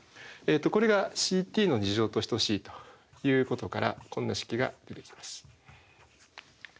これがｃｔの２乗と等しいということからこんな式が出てきます。